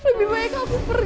lebih baik aku pergi